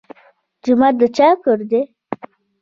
جومات د چا کور دی؟